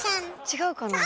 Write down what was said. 違うかな？